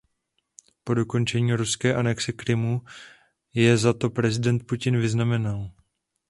Po dokončení ruské anexe Krymu je za to prezident Putin vyznamenal.